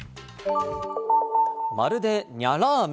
まるでニャラーム？